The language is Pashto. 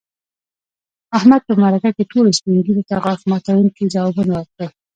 احمد په مرکه کې ټولو سپین ږیرو ته غاښ ماتونکي ځوابوه ورکړل.